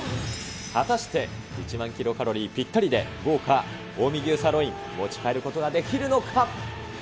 果たして１万キロカロリーぴったりで、豪華近江牛サーロイン、持ち帰ることができるのか。